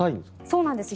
そうなんです。